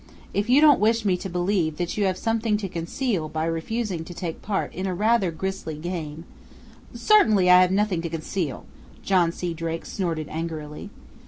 If you don't wish me to believe that you have something to conceal by refusing to take part in a rather grisly game " "Certainly I have nothing to conceal!" John C. Drake snorted angrily.